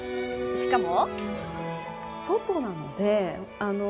しかも。